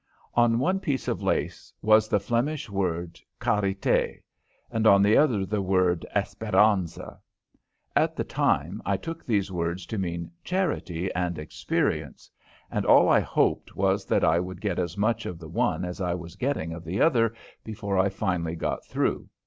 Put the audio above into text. On one piece of lace was the Flemish word "Charité" and on the other the word "Espérance." At the time, I took these words to mean "Charity" and "Experience," and all I hoped was that I would get as much of the one as I was getting of the other before I finally got through.